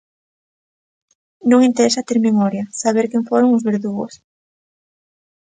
Non interesa ter memoria, saber quen foron os verdugos.